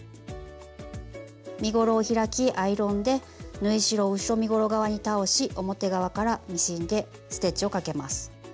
身ごろを開きアイロンで縫い代を後ろ身ごろ側に倒し表側からミシンでステッチをかけます。